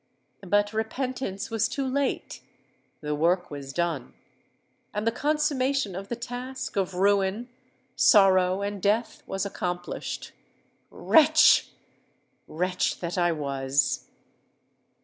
But repentance was too late: the work was done—and the consummation of the task of ruin, sorrow, and death was accomplished! Wretch—wretch that I was!